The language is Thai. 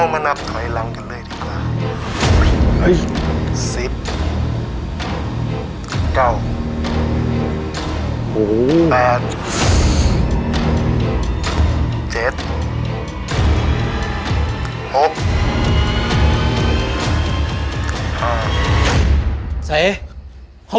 ว่าเจ้าแอบว่าพวกผู้หัวอยู่